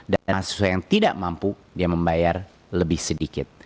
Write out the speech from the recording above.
dan mahasiswa yang tidak mampu dia membayar lebih sedikit